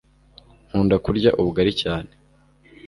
nkunda kurya ubugari cyane